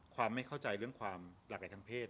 ความไม่เข้าใจเรื่องความหลักใดทางเพศ